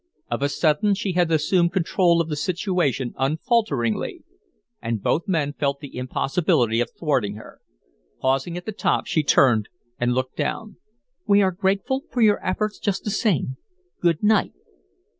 Of a sudden she had assumed control of the situation unfalteringly, and both men felt the impossibility of thwarting her. Pausing at the top, she turned and looked down. "We are grateful for your efforts just the same. Good night."